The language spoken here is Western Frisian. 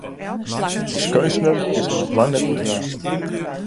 As keunstner is er noch lang net útraasd.